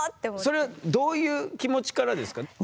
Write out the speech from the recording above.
それはどういう気持ちからですか？